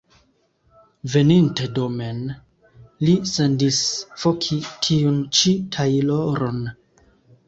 Veninte domen li sendis voki tiun ĉi tajloron.